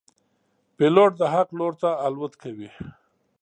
پیلوټ د حق لور ته الوت کوي.